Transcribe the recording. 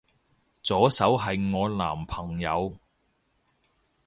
左手係我男朋友